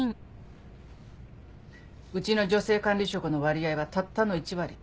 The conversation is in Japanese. うちの女性管理職の割合はたったの１割。